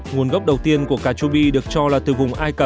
nguồn gốc đầu tiên của cà chua bi được cho là từ vùng ấn độ